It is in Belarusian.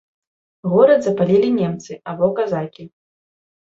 Горад запалілі немцы або казакі.